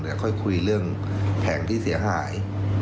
เดี๋ยวค่อยคุยเรื่องแผงที่เสียหาย